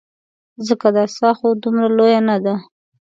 ځکه دا څاه خو دومره لویه نه ده.